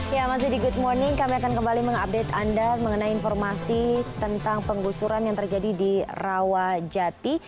ya masih di good morning kami akan kembali mengupdate anda mengenai informasi tentang penggusuran yang terjadi di rawajati